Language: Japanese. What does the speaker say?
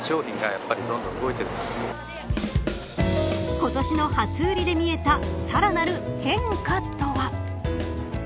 今年の初売りで見えたさらなる変化とは。